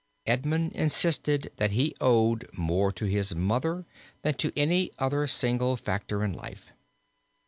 Edmund insisted that he owed more to his mother than to any other single factor in life.